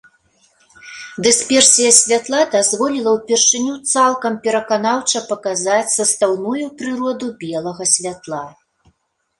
Дысперсія святла дазволіла ўпершыню цалкам пераканаўча паказаць састаўную прыроду белага святла.